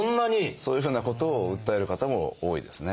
そういうふうなことを訴える方も多いですね。